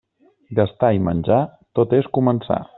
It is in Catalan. Gastar i menjar, tot és començar.